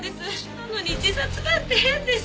なのに自殺なんて変です。